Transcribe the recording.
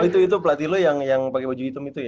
oh itu itu pelatih lo yang pake baju hitam itu ya